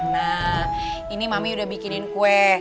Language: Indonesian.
nah ini mami udah bikinin kue